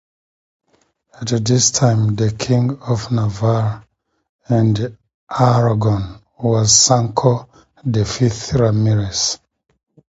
At this time, the king of Navarre and Aragon was Sancho the Fifth Ramirez.